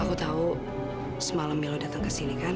aku tahu semalam milo datang ke sini kan